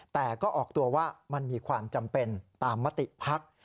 แต่ก็ออกตัวว่ามันมีความจำเป็นตามมติภักดิ์